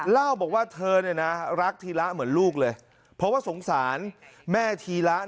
เล่าบอกว่าเธอเนี่ยนะรักธีระเหมือนลูกเลยเพราะว่าสงสารแม่ธีระ